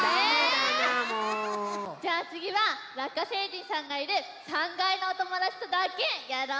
じゃあつぎはラッカ星人さんがいる３かいのおともだちとだけやろう！